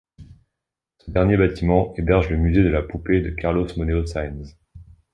Ce dernier bâtiment héberge le musée de la poupée de Carlos Moneo Sáenz.